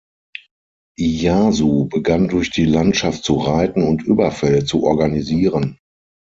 Iyasu begann durch die Landschaft zu reiten und Überfälle zu organisieren.